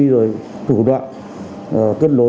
rồi thủ đoạn kết nối